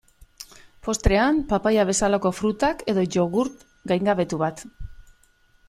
Postrean papaia bezalako frutak, edo jogurt gaingabetu bat.